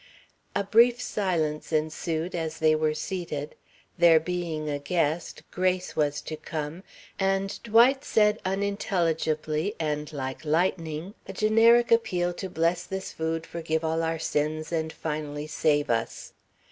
A brief silence ensued as they were seated. There being a guest, grace was to come, and Dwight said unintelligibly and like lightning a generic appeal to bless this food, forgive all our sins and finally save us.